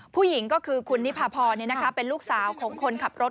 ผู้หญิงก็คือคุณนิพาพรเป็นลูกสาวของคนขับรถ